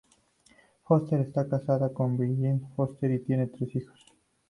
Foster está casada con Brian Foster y tiene tres hijos.